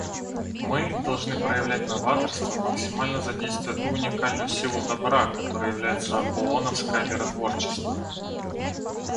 Мы должны проявлять новаторство, максимально задействуя ту уникальную силу добра, которой является ооновское миротворчество.